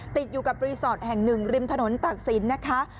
ติดอยู่กับรีสอร์ทแห่งหนึ่งริมถนนตากศิลป์นะคะ